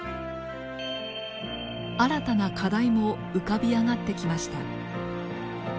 新たな課題も浮かび上がってきました。